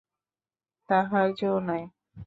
তাহার জো নাই।